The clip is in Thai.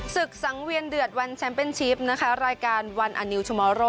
สังเวียนเดือดวันแชมป์เป็นชิปนะคะรายการวันอานิวชมอโร่